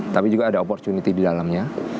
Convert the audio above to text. tapi juga ada opportunity di dalamnya